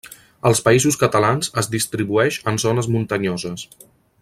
Als Països Catalans es distribueix en zones muntanyoses.